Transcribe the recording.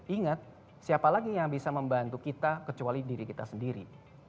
ingat siapa lagi yang bisa membantu kita kecuali diri kita sendiri